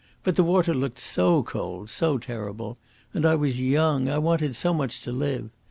But the water looked so cold, so terrible, and I was young. I wanted so much to live.